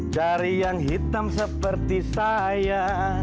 dari yang hitam seperti saya